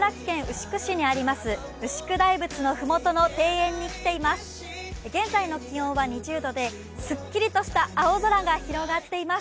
牛久大仏の庭園に来ています。